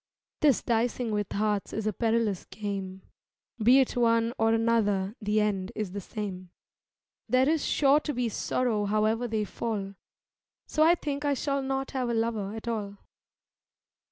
This dicing with hearts is a perilous game: Be it one or another the end Is the same. There Is sure to be sorrow however they fall, So I think I shall not have a lover at all.